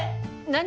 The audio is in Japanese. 何？